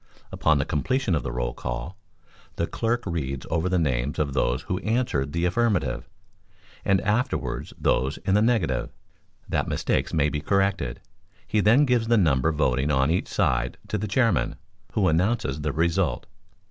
Upon the completion of the roll call the clerk reads over the names of those who answered the affirmative, and afterwards those in the negative, that mistakes may be corrected; he then gives the number voting on each side to the Chairman, who announces the result.